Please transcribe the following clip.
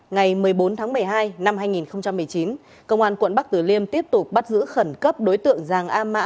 ngày một mươi bốn tháng một mươi hai năm hai nghìn một mươi chín công an quận bắc tử liêm tiếp tục bắt giữ khẩn cấp đối tượng giàng a mã